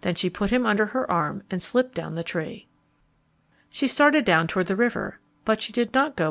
Then she put him under her arm and slipped down the tree. She started down toward the river, but she did not go by the trail.